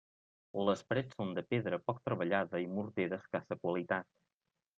Les parets són de pedra poc treballada i morter d'escassa qualitat.